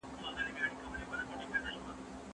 ایا واړه پلورونکي بادام پروسس کوي؟